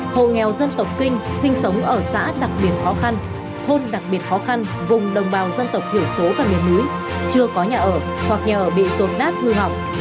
hộ nghèo dân tộc kinh sinh sống ở xã đặc biệt khó khăn thôn đặc biệt khó khăn vùng đồng bào dân tộc thiểu số và miền núi chưa có nhà ở hoặc nhà ở bị dồn nát hư hỏng